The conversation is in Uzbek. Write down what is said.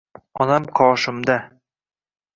Onam qoshimda.